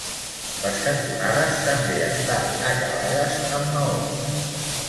Les cantonades també estan acabades amb maons.